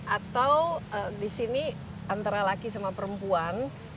atau di sini antara laki sama perempuan